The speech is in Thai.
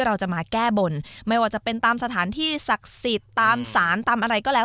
เราจะมาแก้บนไม่ว่าจะเป็นตามสถานที่ศักดิ์สิทธิ์ตามศาลตามอะไรก็แล้ว